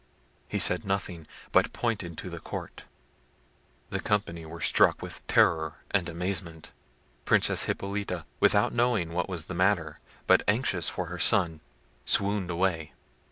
He said nothing, but pointed to the court. The company were struck with terror and amazement. The Princess Hippolita, without knowing what was the matter, but anxious for her son, swooned away.